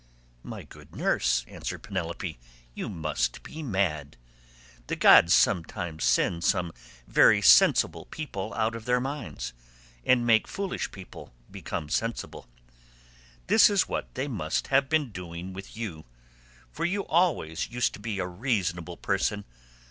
"My good nurse," answered Penelope, "you must be mad. The gods sometimes send some very sensible people out of their minds, and make foolish people become sensible. This is what they must have been doing to you; for you always used to be a reasonable person.